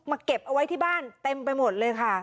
เก็บเอาไว้ที่บ้านเต็มไปหมดเลยค่ะ